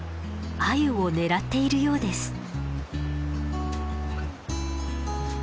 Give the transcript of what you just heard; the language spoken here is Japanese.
アユを狙っているようです。